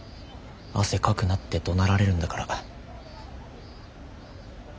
汗かくなってどなられるんだから。